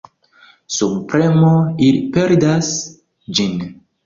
Sub premo ili perdas ĝin.